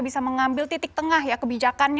bisa mengambil titik tengah kebijakan